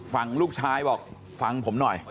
ฝั่งลูกชายบอกฟังผมหน่อย